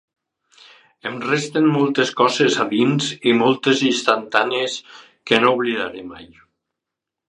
Em resten moltes coses a dins i moltes instantànies que no oblidaré mai.